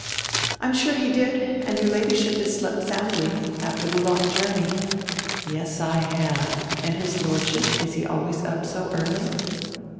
"I'm sure he did. And your Ladyship has slept soundly. After the long journey —" "Yes, I have. And his Lordship, is he always up so early?"